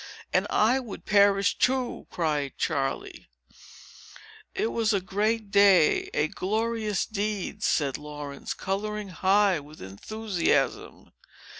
"And I would perish too!" cried Charley. "It was a great day—a glorious deed!" said Laurence, coloring high with enthusiasm.